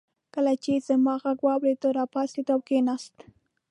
کله چې يې زما غږ واورېد راپاڅېد او کېناست.